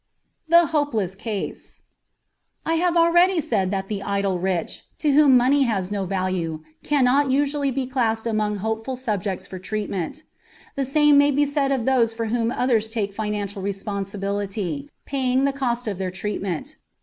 THE HOPELESS CASE I have already said that the idle rich to whom money has no value cannot usually be classed among hopeful subjects for treatment. The same may be said of those for whom others take financial responsibility, paying the cost of their treatment.